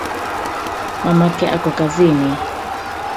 Mamake ako kazini